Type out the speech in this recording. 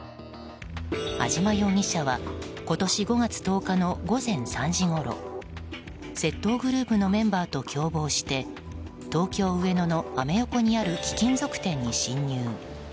安島容疑者は今年５月１０日の午前３時ごろ窃盗グループのメンバーと共謀して東京・上野のアメ横にある貴金属店に侵入。